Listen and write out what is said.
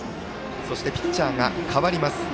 そしてピッチャーが代わります。